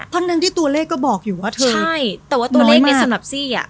ทั้งนั้นที่ตัวเลขก็บอกอยู่ว่าเธอน้อยมากอใช่แต่ว่าตัวเลขในสำหรับซี